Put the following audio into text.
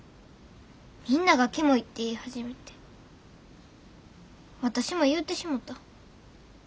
みんながキモいって言い始めて私も言うてしもた。